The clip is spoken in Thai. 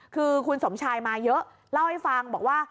คือคุณสมชายมาเยอะเล่าให้ฟังบอกว่า